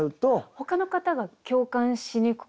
ほかの方が共感しにくかったり。